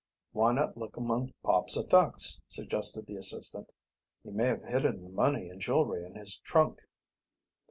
"Why not look among Pop's effects?" suggested the assistant. "He may have hidden the money and jewelry in his trunk."